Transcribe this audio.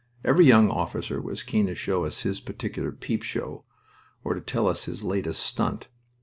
Every young officer was keen to show us his particular "peep show" or to tell us his latest "stunt."